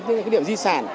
như là cái điểm di sản